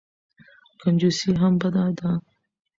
کنجوسي هم بده ده.